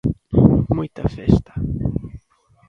Moita festa.